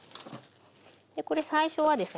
これ最初はですね